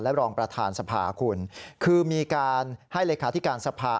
รองประธานสภาคุณคือมีการให้เลขาธิการสภา